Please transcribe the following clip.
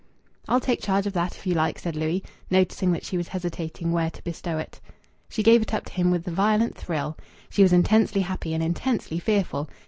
"I'll take charge of that if you like," said Louis, noticing that she was hesitating where to bestow it. She gave it up to him with a violent thrill. She was intensely happy and intensely fearful.